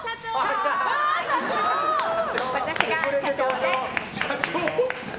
私が社長です！